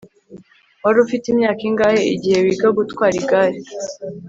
Wari ufite imyaka ingahe igihe wiga gutwara igare